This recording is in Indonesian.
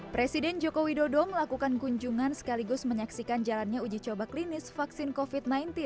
presiden joko widodo melakukan kunjungan sekaligus menyaksikan jalannya uji coba klinis vaksin covid sembilan belas